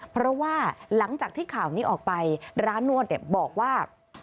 เพราะว่าหลังจากที่ข่าวนี้ออกไปร้านนวดบอกว่า